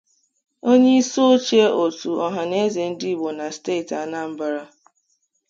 onyeisioche òtù Ohanaeze Ndigbo na steeti Anambra